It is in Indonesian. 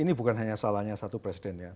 ini bukan hanya salahnya satu presiden ya